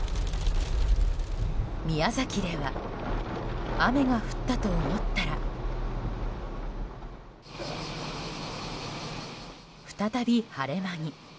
宮崎では雨が降ったと思ったら再び晴れ間に。